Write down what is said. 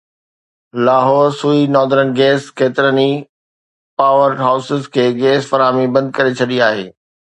Lahore Sui northern gas ڪيترن ئي power houses کي گئس فراهمي بند ڪري ڇڏي آهي